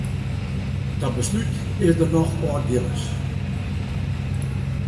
Ta beslút is der noch Aldgillis.